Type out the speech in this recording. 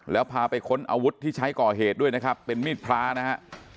แล้วพาไปค้นอาวุธที่ใช้ก่อเหตุด้วยนะครับเป็นมีดพระนะฮะ